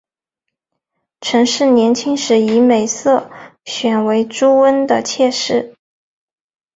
陈氏年轻时以美色选为朱温的妾室。